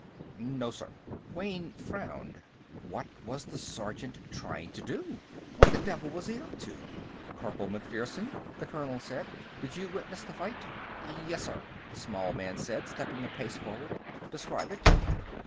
"No, sir." Wayne frowned. What was the sergeant trying to do? What the devil was he up to? "Corporal MacPherson," the colonel said, "Did you witness the fight?" "Yes, sir," the small man said, stepping a pace forward. "Describe it."